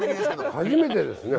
初めてですね。